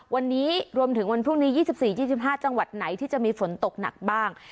วันนี้รวมถึงวันพรุ่งนี้ยี่สิบสี่ยี่สิบห้าจังหวัดไหนที่จะมีฝนตกหนักบ้าง